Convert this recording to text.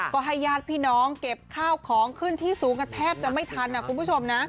ก็ให้ญาติพี่น้องเก็บข้าวของขึ้นที่สูงกันแทบจะไม่ทันคุณผู้ชมนะ